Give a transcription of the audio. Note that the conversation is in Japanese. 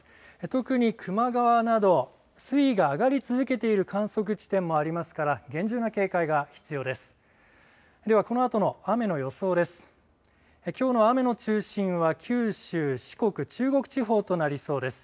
特に球磨川など水位が上がり続けている観測地点もありますから厳重な警戒が必要です。